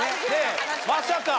まさか。